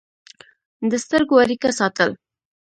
د سترګو اړیکه ساتل